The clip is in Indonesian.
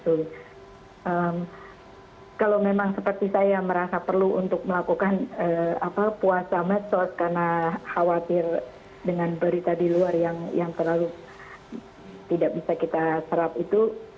jadi kalau memang seperti saya merasa perlu untuk melakukan puasa medsos karena khawatir dengan berita di luar yang terlalu tidak bisa kita serap itu